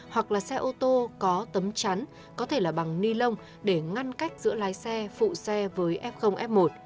hoặc là xe ô tô có tấm chắn có thể là bằng ni lông để ngăn cách giữa lái xe phụ xe với f f một